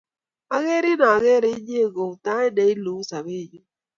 Akerin akere inye ko iu tait ne iluu sobennyu.